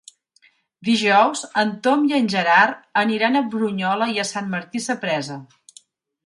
Dijous en Tom i en Gerard aniran a Brunyola i Sant Martí Sapresa.